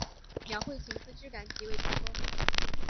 描绘裙子质感极为成功